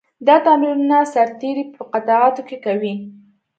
دا تمرینونه سرتېري په قطعاتو کې کوي.